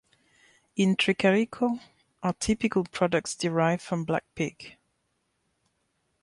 In Tricarico are typical products derived from black pig.